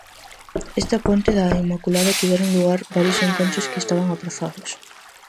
Esta ponte da Inmaculada tiveron lugar varios encontros que estaban aprazados.